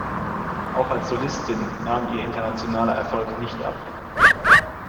Auch als Solistin nahm ihr internationaler Erfolg nicht ab.